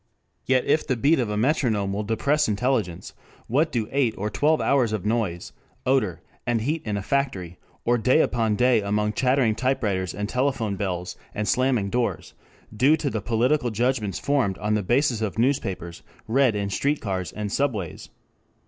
Yet if the beat of a metronome will depress intelligence, what do eight or twelve hours of noise, odor, and heat in a factory, or day upon day among chattering typewriters and telephone bells and slamming doors, do to the political judgments formed on the basis of newspapers read in street cars and subways?